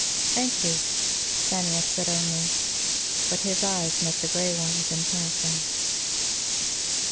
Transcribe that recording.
"Thank you," Stanief said only, but his eyes met the gray ones in passing.